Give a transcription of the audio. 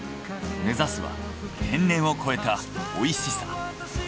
目指すは天然を超えたおいしさ。